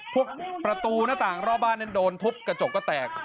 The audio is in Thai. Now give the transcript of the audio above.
ประตูหน้าต่างรอบบ้านนั้นโดนทุบกระจกก็แตก